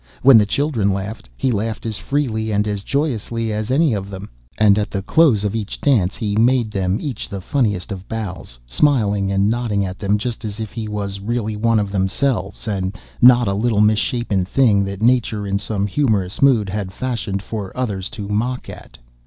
When the children laughed, he laughed as freely and as joyously as any of them, and at the close of each dance he made them each the funniest of bows, smiling and nodding at them just as if he was really one of themselves, and not a little misshapen thing that Nature, in some humourous mood, had fashioned for others to mock at.